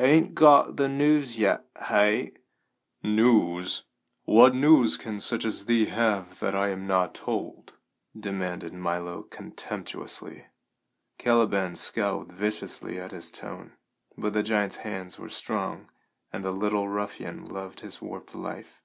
"Ain't got the news yet, hey?" "News? What news can such as thee have that I am not told?" demanded Milo contemptuously. Caliban scowled viciously at his tone, but the giant's hands were strong, and the little ruffian loved his warped life.